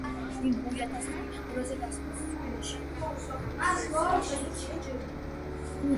გუმბათის რვაწახნაგა ყელში ოთხი სარკმელია გაჭრილი.